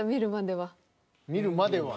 「見るまでは」？